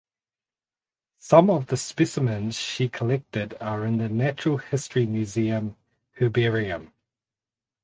Some of the specimens she collected are in the Natural History Museum herbarium.